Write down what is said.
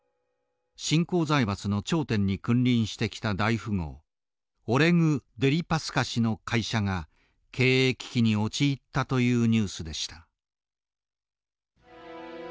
新興財閥の頂点に君臨してきた大富豪オレグ・デリパスカ氏の会社が経営危機に陥ったというニュースでした。